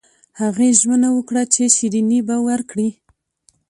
هغې ژمنه وکړه چې شیریني به ورکړي